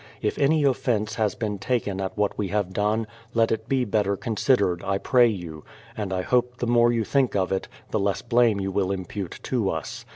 If any offence has been taken at what we have done, let it be better con sidered, I pray you ; and I hope the more you think of it, the less blame you will impute to us.